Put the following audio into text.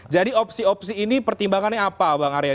jadi opsi opsi ini pertimbangannya apa bang arya